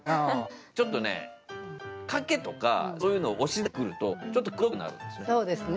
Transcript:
ちょっとねかけたりとかそういうのを押し出してくるとちょっとくどくなるんですよね。